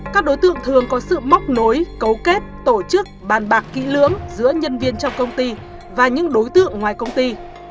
các đối tượng thường có sự móc nối cấu kết tổ chức bàn bạc kỹ lưỡng giữa nhân viên trong công ty và những đối tượng ngoài công ty